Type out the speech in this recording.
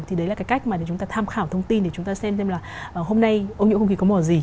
thì đấy là cái cách mà để chúng ta tham khảo thông tin để chúng ta xem thêm là hôm nay ô nhiễm không khí có mở gì